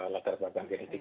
latar belakang genetik